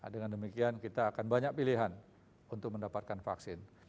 dengan demikian kita akan banyak pilihan untuk mendapatkan vaksin